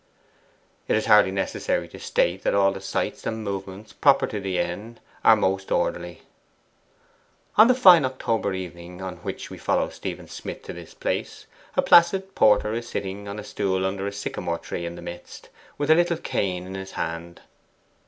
It is hardly necessary to state that all the sights and movements proper to the Inn are most orderly. On the fine October evening on which we follow Stephen Smith to this place, a placid porter is sitting on a stool under a sycamore tree in the midst, with a little cane in his hand.